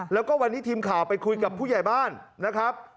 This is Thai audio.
แล้วก็วันนี้ทีมข่าวไปคุยกับผู้ใหญ่บ้านนะครับ